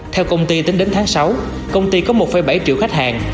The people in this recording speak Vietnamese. theo công ty tính đến tháng sáu công ty có một bảy triệu khách hàng